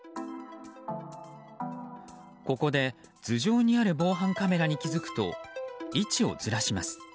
ここで、頭上にある防犯カメラに気づくと位置をずらします。